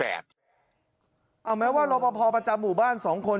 เอาแม้ว่ารอปภประจำหมู่บ้าน๒คน